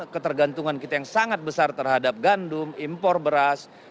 ketergantungan kita yang sangat besar terhadap gandum impor beras